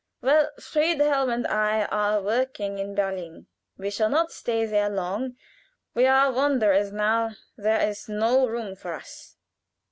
"Well Friedel and I are working in Berlin. We shall not stay there long; we are wanderers now! There is no room for us.